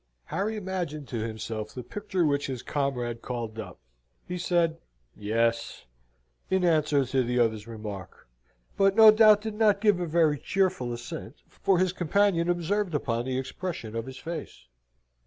Harry imagined to himself the picture which his comrade called up. He said "Yes," in answer to the other's remark; but, no doubt, did not give a very cheerful assent, for his companion observed upon the expression of his face.